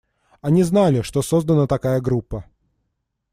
Они знали, что создана такая группа.